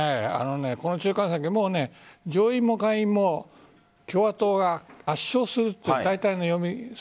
この中間選挙上院も下院も共和党が圧勝するというのが大体の読み。